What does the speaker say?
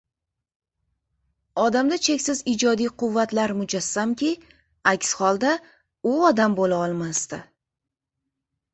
Odamda cheksiz ijodiy quvvatlar mujassamki, aks holda, u odam bo‘la olmasdi.